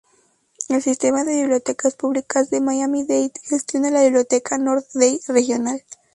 El Sistema de Bibliotecas Públicas de Miami-Dade gestiona la biblioteca North Dade Regional.